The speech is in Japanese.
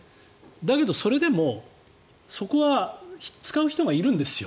だけどそれでもそこは使う人がいるんですよ。